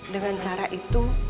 dengan cara itu